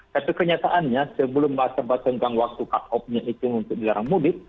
tapi kenyataannya sebelum mbak sabah tenggang waktu kak opnya itu untuk dilarang mudik